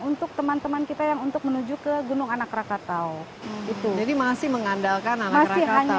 untuk teman teman kita yang untuk menuju ke gunung anakrakatau itu jadi masih mengandalkan masih hanya